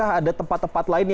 ada tempat tempat lainnya